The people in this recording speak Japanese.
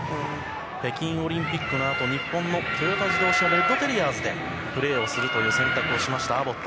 北京オリンピックのあと日本のトヨタ自動車でプレーをするという選択をしました、アボット。